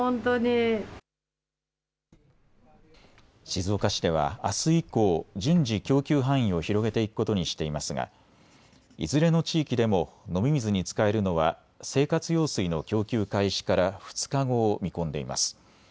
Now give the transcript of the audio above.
静岡市ではあす以降、順次、供給範囲を広げていくことにしていますが、いずれの地域でも飲み水に使えるのは生活用水の供給開始から２日後を見込んでいます。